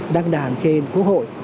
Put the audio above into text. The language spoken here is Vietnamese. đăng đàn trên quốc hội